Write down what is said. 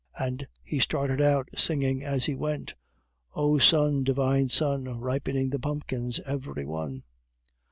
And he started out, singing as he went: "Oh! sun! divine sun! Ripening the pumpkins every one."